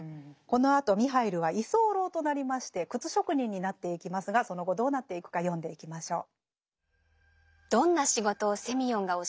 このあとミハイルは居候となりまして靴職人になっていきますがその後どうなっていくか読んでいきましょう。